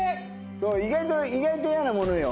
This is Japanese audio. そう意外と意外とイヤなものよ。